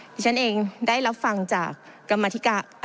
ที่ฉันเองได้รับฟังจากกรรมธิการ